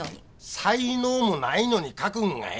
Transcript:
才能もないのに書くんが偉いやろ。